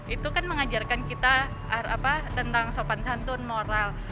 itu kan mengajarkan kita tentang sopan santun moral